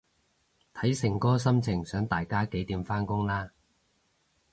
睇誠哥心情想大家幾點返工啦